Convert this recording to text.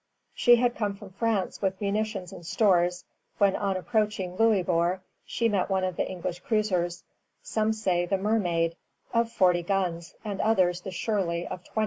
She had come from France with munitions and stores, when on approaching Louisbourg she met one of the English cruisers, some say the "Mermaid," of 40 guns, and others the "Shirley," of 20.